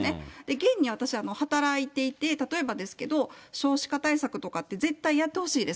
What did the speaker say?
現に私は働いていて、例えばですけど、少子化対策とかって、絶対やってほしいです。